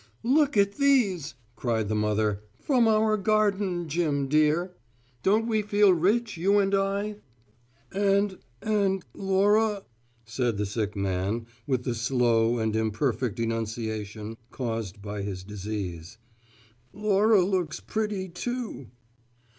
"Look at these," cried the mother; " from our garden, Jim, dear! Don't we feel rich, you and I?" "And and Laura," said the sick man, with the slow and imperfect enunication caused by his disease; "Laura looks pretty too."